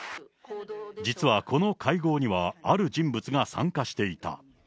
実はこの会合には、ある人物が参加していた。